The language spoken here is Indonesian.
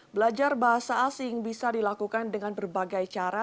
belajar bahasa asing bisa dilakukan dengan berbagai cara